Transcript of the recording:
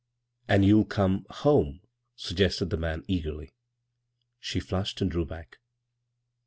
"And you'll come — home?" suggested the man, eagerly. She flushed and drew back.